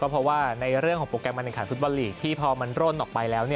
เพราะว่าในเรื่องของโผล่แกรมมาณการฟุตบอลลีกที่พอมันโรนออกไปแล้ว